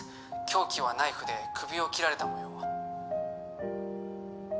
凶器はナイフで首を切られた模様